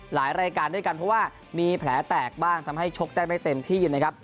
หลายรายการด้วยกันเพราะว่ามีแผลแตกบ้างทำให้ชกได้ไม่เต็มที่นะครับ